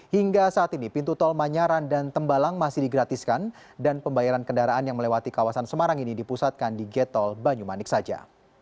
hingga saat ini pintu tol manyaran dan tembalang masih digratiskan dan pembayaran kendaraan yang melewati kawasan semarang ini dipusatkan di getol banyumanik saja